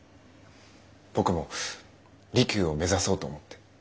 僕も利休を目指そうと思って。